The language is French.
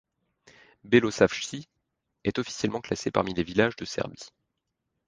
Belosavci est officiellement classé parmi les villages de Serbie.